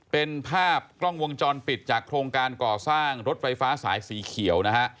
เป็นภาพกล้องวงจรปิดจากโครงการก่อสร้างรถไฟฟ้าสายสีเขียวนะฮะ